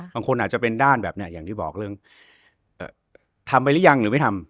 บางคนอาจจะเป็นด้านแบบนี้อย่างที่บอกเรื่องทำไปหรือยังหรือไม่ทำ